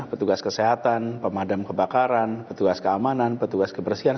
petugas kesehatan pemadam kebakaran petugas keamanan petugas kebersihan